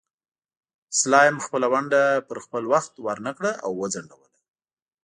سلایم خپله ونډه پر خپل وخت ورنکړه او وځنډوله.